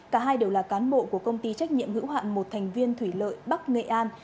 cả hai đều là cán bộ của công ty trách nhiệm hữu hạn một thành viên thủy lợi bắc nghệ an